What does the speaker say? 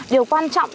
điều quan trọng